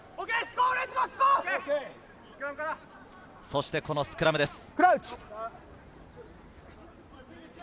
そしてこのスクラムです。